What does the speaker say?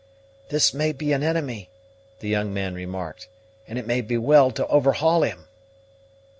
"This may be an enemy," the young man remarked; "and it may be well to overhaul him."